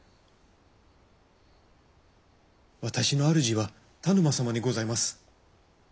私の主は田沼様にございます。